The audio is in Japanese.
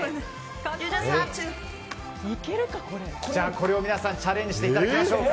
これを皆さんチャレンジしていただきましょう。